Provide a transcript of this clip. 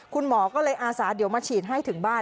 คุณหมอก็เลยอาสาเดี๋ยวมาฉีดให้ถึงบ้าน